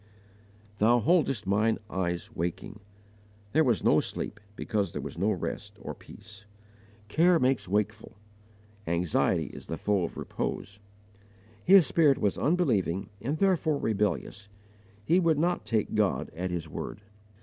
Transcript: "Thou holdest mine eyes waking." There was no sleep because there was no rest or peace. Care makes wakeful. Anxiety is the foe of repose. His spirit was unbelieving and therefore rebellious. He would not take God at His word.